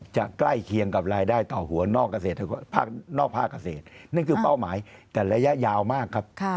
ใกล้เคียงกับรายได้ต่อหัวนอกภาคเกษตรนั่นคือเป้าหมายแต่ระยะยาวมากครับ